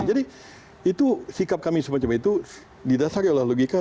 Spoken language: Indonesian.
jadi itu sikap kami semacam itu di dasarnya adalah logika